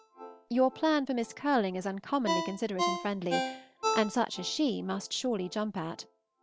Your plan for Miss Curling is uncommonly considerate and friendly, and such as she must surely jump at.